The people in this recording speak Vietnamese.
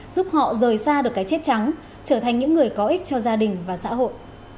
giúp họ rời xa được cái chết trắng trở thành những người có ích cho gia đình và xã hội